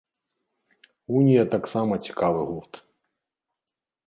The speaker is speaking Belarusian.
Унія таксама цікавы гурт!